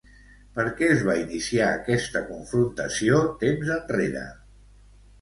Per què es va iniciar aquesta confrontació temps enrere?